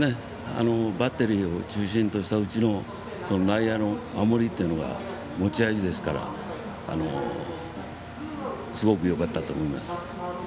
バッテリーを中心としたうちの内野の守りというのが持ち味ですからすごくよかったと思います。